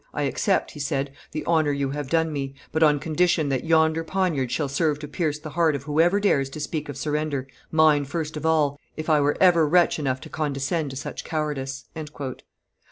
"I accept," he said, "the honor you have done me, but on condition that yonder poniard shall serve to pierce the heart of whoever dares to speak of surrender, mine first of all, if I were ever wretch enough to condescend to such cowardice."